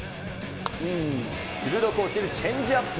鋭く落ちるチェンジアップ。